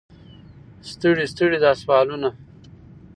ستړي ستړي دا سوالونه.